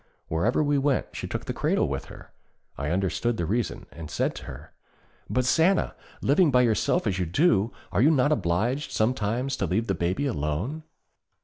Wherever we went she took the cradle with her. I understood the reason and said to her, 'But, Sanna, living by yourself as you do, are you not obliged sometimes to leave the baby alone?'